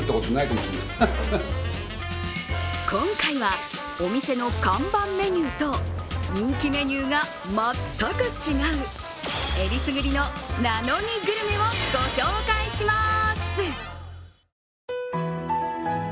今回はお店の看板メニューと人気メニューが全く違うえりすぐりの「な・の・にグルメ」をご紹介しまーす。